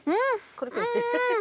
コリコリしてる。